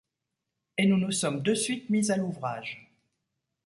Et nous nous sommes de suite mises à l’ouvrage.